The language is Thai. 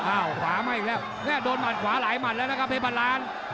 ขวามาอีกแล้วเนี่ยโดนหมัดขวาหลายหัดแล้วนะครับเพชรบาลาน